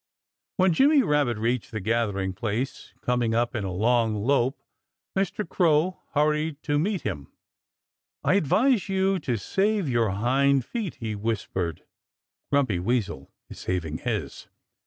When Jimmy Rabbit reached the gathering place, coming up in a long lope, Mr. Crow hurried to meet him. "I advise you to save your hind feet," he whispered. "Grumpy Weasel is saving his."